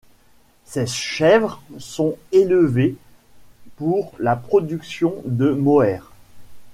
Ces chèvres sont élevées pour la production de mohair.